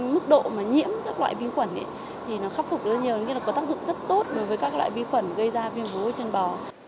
mức độ mà nhiễm các loại viêm quẩn thì nó khắc phục rất nhiều có tác dụng rất tốt đối với các loại viêm quẩn gây ra viêm vú trên bò